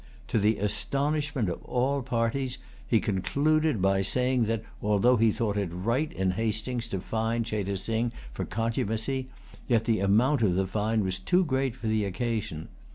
To the astonishment of all parties, he[Pg 217] concluded by saying that, though he thought it right in Hastings to fine Cheyte Sing for contumacy, yet the amount of the fine was too great for the occasion.